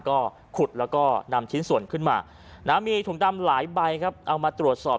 ก็ขุดแล้วก็นำชิ้นส่วนขึ้นมามีถุงดำหลายใบครับเอามาตรวจสอบ